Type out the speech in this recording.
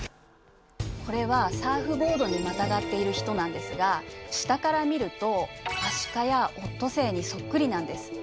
これはサーフボードにまたがっている人なんですが下から見るとアシカやオットセイにそっくりなんです。